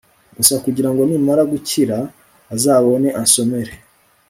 gusa kugira ngo nimara gukira azabone ansomere